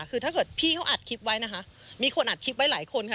คือถ้าเกิดพี่เขาอัดคลิปไว้นะคะมีคนอัดคลิปไว้หลายคนค่ะ